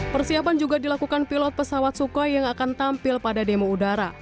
persiapan juga dilakukan pilot pesawat sukhoi yang akan tampil pada demo udara